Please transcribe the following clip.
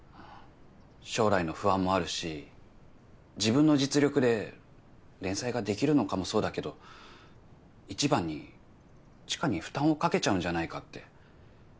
将来の不安もあるし自分の実力で連載ができるのかもそうだけど一番に知花に負担をかけちゃうんじゃないかって。